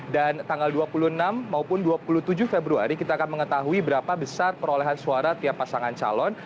dan tanggal dua puluh enam maupun dua puluh tujuh februari kita akan mengetahui berapa besar perolehan suara tiap pasangan calon